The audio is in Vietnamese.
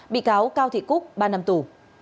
bị cáo cao thị cúc ba năm tù